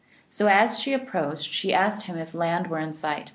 So as she approached she asked him if land were in sight.